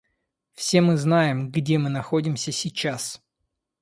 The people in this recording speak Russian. Все мы знаем, где мы находимся сейчас.